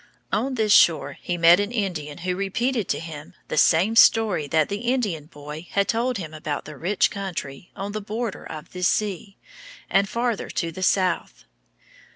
On this shore he met an Indian who repeated to him the same story that the Indian boy had told about the rich country on the border of this sea and farther to the south.